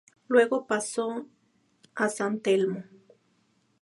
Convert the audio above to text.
Luego pasó a San Telmo.